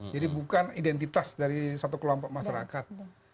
jadi bukan identitas dari satu kelompok masyarakat